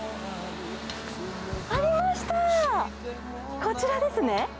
ありました、こちらですね。